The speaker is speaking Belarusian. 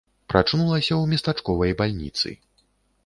Прачнулася ў местачковай бальніцы.